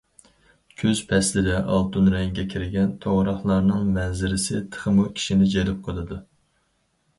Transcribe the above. كۈز پەسلىدە ئالتۇن رەڭگە كىرگەن توغراقلارنىڭ مەنزىرىسى تېخىمۇ كىشىنى جەلپ قىلىدۇ.